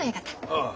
ああ。